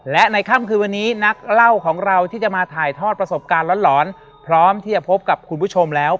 และในค่ำคืนวันนี้นักเล่าของเราที่จะมาถ่ายทอดประสบการณ์หลอนพร้อมที่จะพบกับคุณผู้ชมแล้ว